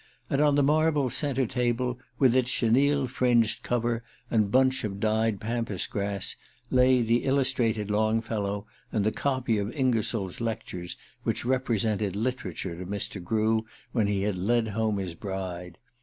And on the marble centre table, with its chenille fringed cover and bunch of dyed pampas grass, lay the illustrated Longfellow and the copy of Ingersoll's lectures which represented literature to Mr. Grew when he had led home his bride.